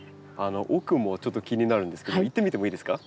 奥もちょっと気になるんですけど行ってみてもいいですか？